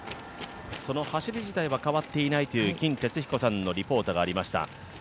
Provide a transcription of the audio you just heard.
その走り自体は変わっていないという金哲彦さんのリポートがありました。